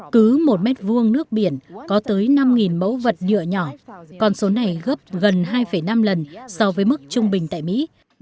cứ một mét vuông nước biển có tới năm mẫu vật nhựa nhỏ con số này gấp gần hai năm lần so với mức trung bình tại mỹ